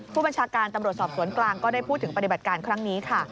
ผู้บัญชาการตำรวจสอบสวนกลางก็ได้พูดถึงปฏิบัติการครั้งนี้ค่ะ